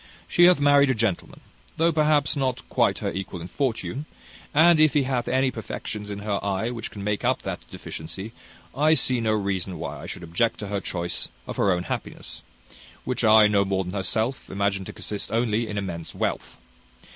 She hath married a gentleman, though perhaps not quite her equal in fortune; and if he hath any perfections in her eye which can make up that deficiency, I see no reason why I should object to her choice of her own happiness; which I, no more than herself, imagine to consist only in immense wealth.